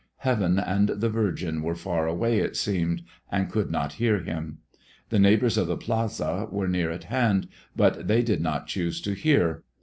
Heaven and the Virgin were far away, it seemed, and could not hear him. The neighbors of the plaza were near at hand, but they did not choose to hear.